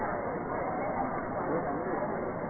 ก็จะมีอันดับอันดับอันดับ